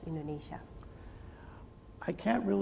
untuk masyarakat indonesia